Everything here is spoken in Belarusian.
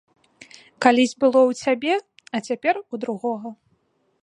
Калісь было ў цябе, а цяпер у другога.